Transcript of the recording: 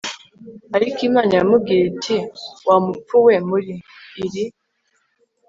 Ariko Imana iramubwira iti Wa mupfu we muri iri